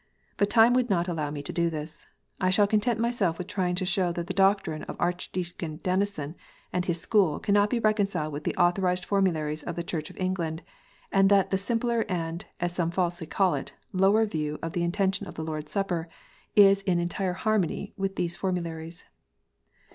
But time would not allow me to do this. I shall content myself with trying to show that the doctrine of Archdeacon Denison and his school cannot be reconciled with the authorized formularies of the Church of England, and that the simpler and, as some falsely call it, lower view of the intention of the Lord s Supper, is in entire harmony with those formularies.